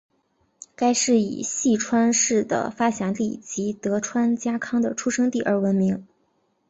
该市以细川氏的发祥地及德川家康的出生地而闻名。